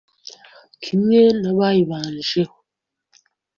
kimwe n,abayibanjeho